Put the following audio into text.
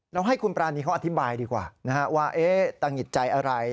เราให้คุณปานีเขาอธิบายดีกว่าว่าตั้งอิจจัยอะไร